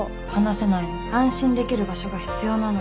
安心できる場所が必要なの。